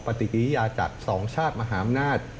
ปฏิกิริยาจาก๒ชาติมหาอำนาจ